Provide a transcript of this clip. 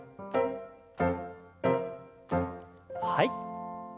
はい。